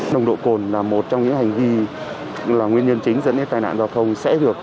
nồng độ cồn là một trong những hành vi là nguyên nhân chính dẫn đến tai nạn giao thông sẽ được